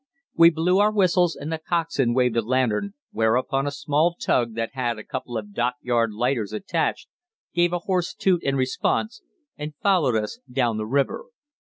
We blew our whistles and the coxswain waved a lantern, whereupon a small tug that had a couple of dockyard lighters attached gave a hoarse 'toot' in response, and followed us down the river.